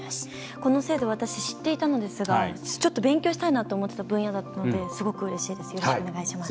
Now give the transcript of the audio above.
この制度私知っていたのですがちょっと勉強したいなと思っていた分野だったのですごくうれしいです。